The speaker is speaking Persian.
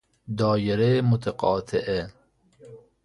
دایره متقاطعه